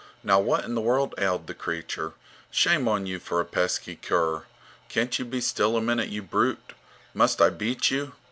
Now, what in the world ailed the creature? Shame on you for a pesky cur! Can't you be still a minute, you brute? Must I beat you?